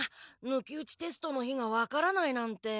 抜き打ちテストの日が分からないなんて。